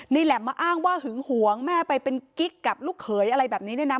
แหลมมาอ้างว่าหึงหวงแม่ไปเป็นกิ๊กกับลูกเขยอะไรแบบนี้เนี่ยนะ